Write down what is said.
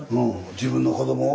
自分の子どもを？